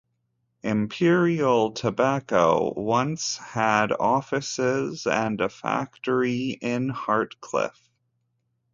Imperial Tobacco once had offices and a factory in Hartcliffe.